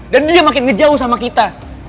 dan dia makin ngejauh sama kita